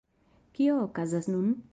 Kio okazas nun?